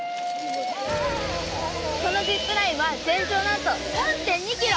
このジップラインは全長なんと３．２キロ。